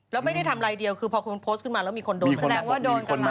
แล้วไม่ได้ทำอะไรเดียวคือพอโพสต์ขึ้นมาแล้วมีคนโดน